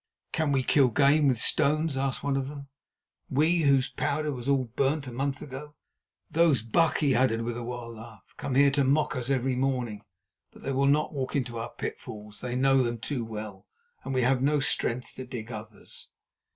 "Can we kill game with stones?" asked one of them, "we whose powder was all burnt a month ago. Those buck," he added, with a wild laugh, "come here to mock us every morning; but they will not walk into our pitfalls. They know them too well, and we have no strength to dig others."